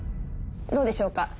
どうでしょうか？